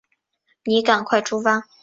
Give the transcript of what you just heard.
你赶快出发